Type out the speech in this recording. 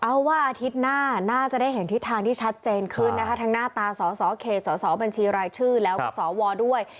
เอาว่าอาทิตย์หน้าน่าจะได้เห็นทิศทางที่ชัดเจนขึ้นนะคะทั้งหน้าตาสอสอเขตสอสอบัญชีรายชื่อแล้วก็สวด้วย